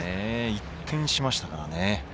一転しましたからね。